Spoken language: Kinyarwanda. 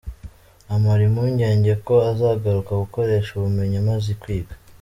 Amara impungenge ko azagaruka gukoresha ubumenyi amaze kwiga.